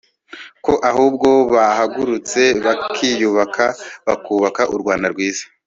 ko ahubwo bahagurutse bakiyubaka bakubaka u Rwanda rwiza